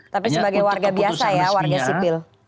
tapi sebagai warga biasa ya warga sipil